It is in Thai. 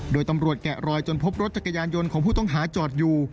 โดยตำรวจแกะรอยจนพบรถจักรยานยนต์ของผู้ต้องหาจอดอยู่